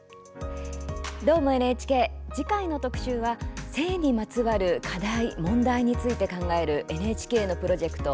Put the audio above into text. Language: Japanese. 次回の特集は性にまつわる課題、問題について考えるＮＨＫのプロジェクト